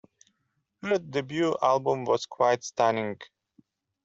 Her debut album was quite stunning.